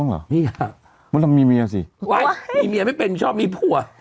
ไว้มีเมียไม่เป็นชอบมีผัว